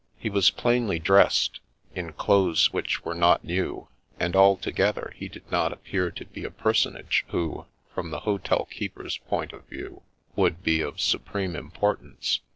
He was plainly dressed, in clothes which were not new, and altogether he did not appear to be a perscmage who, from the hotel keeper's point of view, would be of supreme importance.